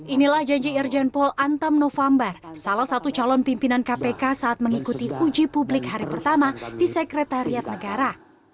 inilah janji irjen pol antam november salah satu calon pimpinan kpk saat mengikuti uji publik hari pertama di sekretariat negara